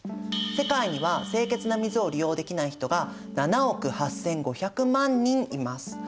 世界には清潔な水を利用できない人が７億８，５００万人います。